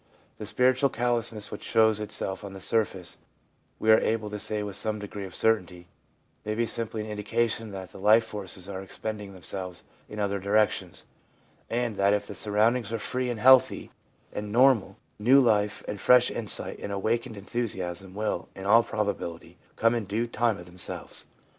The spiritual callousness which shows itself on the surface, we are able to say with some degree of certainty, may be simply an indication that the life forces are expending themselves in other directions, and that if the surroundings are free and healthy and normal, new life and fresh insight and awakened enthusiasm will, in all probability, come in due time of themselves.